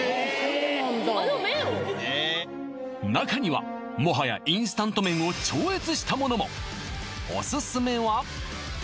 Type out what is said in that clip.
中にはもはやインスタント麺を超越したものもオススメは？